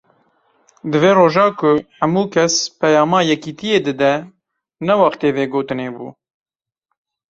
Di vê roja ku hemû kes peyama yekitiyê dide, ne wextê vê gotinê bû.